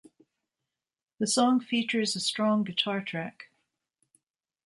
The song features a strong guitar track.